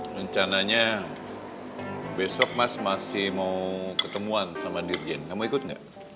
rencananya besok mas masih mau ketemuan sama dirjen kamu ikut nggak